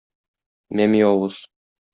Мәми авыз.